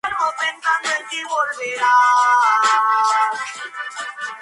Finalmente decidió abandonar sus estudios para viajar.